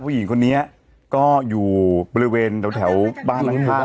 ผู้หญิงคนนี้ก็อยู่บริเวณแถวแถวบ้านนั้นค่ะเนี้ย